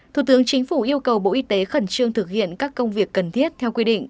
thủ tướng chính phủ yêu cầu bộ y tế khẩn trương thực hiện các công việc cần thiết theo quy định